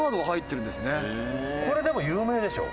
「これでも有名でしょ」